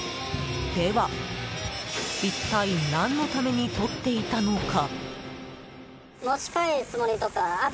では、一体何のためにとっていたのか。